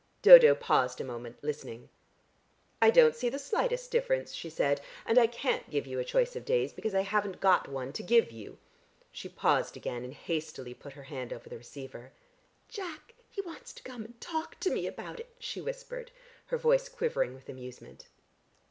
Dodo paused a moment, listening. "I don't see the slightest difference," she said. "And I can't give you a choice of days, because I haven't got one to give you." She paused again, and hastily put her hand over the receiver. "Jack, he wants to come and talk to me about it," she whispered, her voice quivering with amusement.